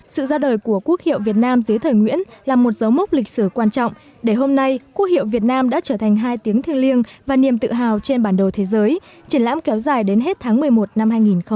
sự ra đời của quốc hiệu việt nam dưới thời nguyễn là một dấu mốc lịch sử quan trọng để hôm nay quốc hiệu việt nam đã trở thành hai tiếng thiêng liêng và niềm tự hào trên bản đồ thế giới triển lãm kéo dài đến hết tháng một mươi một năm hai nghìn hai mươi